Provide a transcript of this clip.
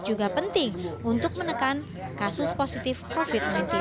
juga penting untuk menekan kasus positif covid sembilan belas